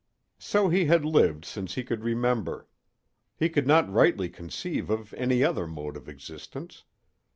So he had lived since he could remember. He could not rightly conceive any other mode of existence.